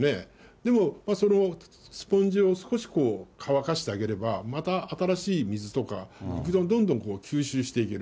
でも、スポンジを少し乾かしてあげれば、また新しい水とか、どんどん吸収していける。